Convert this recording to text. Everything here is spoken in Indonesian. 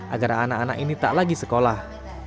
agar anak anak ini tak lagi sekolah